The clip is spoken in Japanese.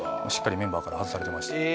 しっかりメンバーから外されてました。